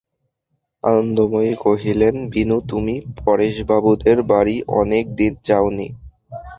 আনন্দময়ী কহিলেন, বিনু, তুমি পরেশবাবুদের বাড়ি অনেক দিন যাও নি।